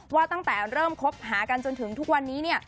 ว่าตั้งแต่เริ่มคบหากันจนถึงทุกวันนี้เนี่ย